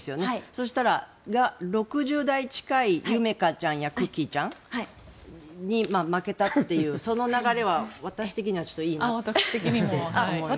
そしたら、６０代近いユメカちゃんやクッキーちゃんに負けたというその流れは私的にはいいなと思います。